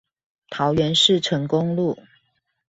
桃園市成功路